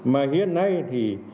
mà hiện nay thì